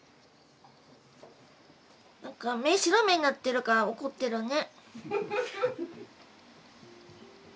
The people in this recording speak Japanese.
何か目白目になってるから怒ってるね。